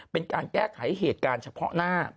เป็นการแก้ไขเหตุการณ์เฉพาะหน้า